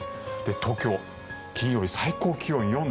東京、金曜日、最高気温４度。